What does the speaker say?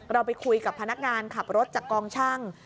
เราไปคุยกับพนักงานขับรถจากกองช่าง